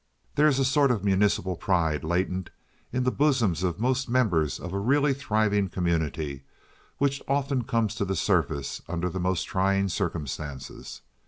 There is a sort of municipal pride latent in the bosoms of most members of a really thriving community which often comes to the surface under the most trying circumstances.